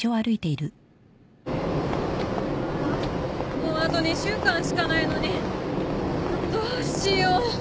もうあと２週間しかないのにどうしよう。